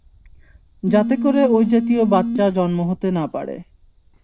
যাতে করে ঐ জাতীয় বাচ্চা জন্ম হতে না পারে।